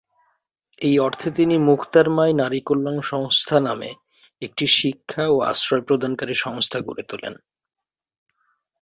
এই অর্থে তিনি মুখতার মাই নারী কল্যাণ সংস্থা নামে একটি শিক্ষা ও আশ্রয় প্রদানকারী সংস্থা গড়ে তুলেন।